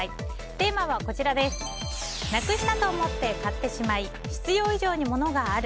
テーマはなくしたと思って買ってしまい必要以上にモノがある。